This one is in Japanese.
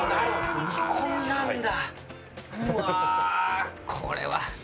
煮込みなんだ！